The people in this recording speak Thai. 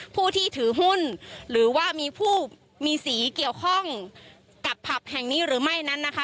ผู้ที่ถือหุ้นหรือว่ามีผู้มีสีเกี่ยวข้องกับผับแห่งนี้หรือไม่นั้นนะคะ